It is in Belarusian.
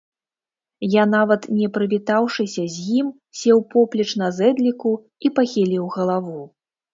Я, нават не прывітаўшыся з ім, сеў поплеч на зэдліку і пахіліў галаву.